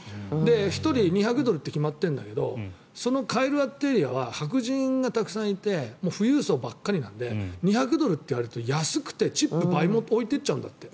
１人２００ドルって決まってるんだけどそのエリアは白人がたくさんいて富裕層ばっかりなんで２００ドルと言われると安くてチップ倍も置いて行っちゃうんだって。